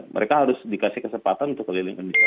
mereka harus dikasih kesempatan untuk keliling pendidikan